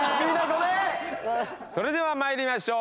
それでは参りましょう。